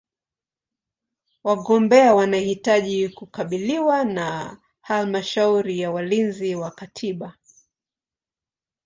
Wagombea wanahitaji kukubaliwa na Halmashauri ya Walinzi wa Katiba.